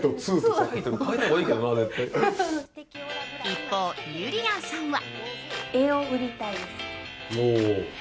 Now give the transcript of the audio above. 一方、ゆりやんさんは。